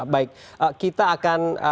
baik kita akan